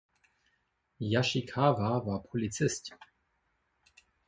Yoshikawa war Polizist.